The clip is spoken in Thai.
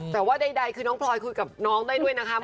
แต่ว่าใดคือน้องพลอยคุยกับน้องได้ด้วยนะคะ